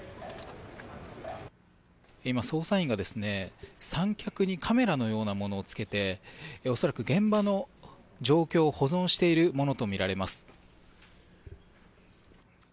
今、捜査員が三脚にカメラのようなものをつけて恐らく現場の状況を保存しているものとみられます。